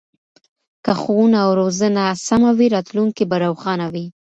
که ښوونه او روزنه سمه وي راتلونکی به روښانه وي.